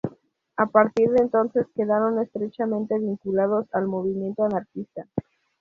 A partir de entonces quedaron estrechamente vinculados al movimiento anarquista.